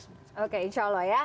oke insya allah ya